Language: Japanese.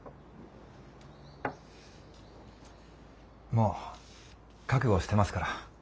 もう覚悟してますから。